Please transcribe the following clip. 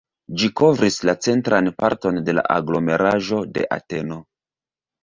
Ĝi kovris la centran parton de la aglomeraĵo de Ateno.